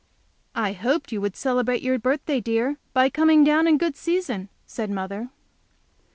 "I hoped you would celebrate your birthday, dear, by coming down in good season," said mother.